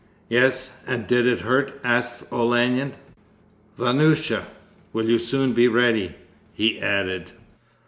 'Yes, and did it hurt?' asked Olenin. 'Vanyusha, will you soon be ready?' he added.